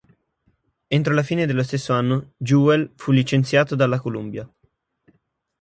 Entro la fine dello stesso anno Jewell fu licenziato dalla Columbia.